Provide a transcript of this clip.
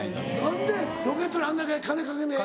何でロケットにあんだけ金かけんのに。